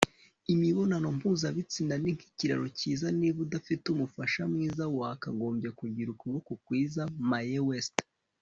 imibonano mpuzabitsina ni nk'ikiraro cyiza niba udafite umufasha mwiza, wakagombye kugira ukuboko kwiza - mae west